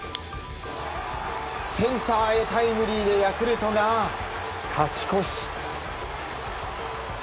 センターへタイムリーでヤクルトが勝ち越し。